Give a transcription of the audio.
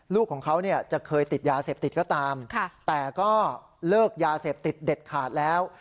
ลูกของเขาจะเคยติดยาเสพติดก็ตามแต่ก็เลิกยาเสพติดเด็ดขาดแล้ว